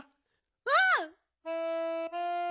うん！